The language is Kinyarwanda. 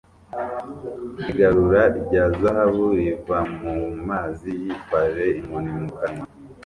Igarura rya zahabu riva mu mazi yitwaje inkoni mu kanwa